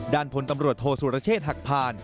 ด้านผลตำรวจโทสุรเชษฐ์หักผ่าน